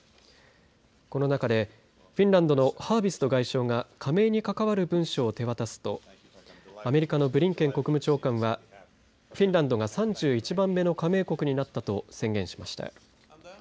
この中でフィンランドのハービスト外相が加盟に関わる文書を手渡すとアメリカのブリンケン国務長官はフィンランドが３１番目の加盟国になったと宣言しました。